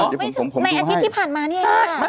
ในอาทิตย์ที่ผ่านมาเนี่ย